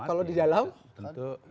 kalau di dalam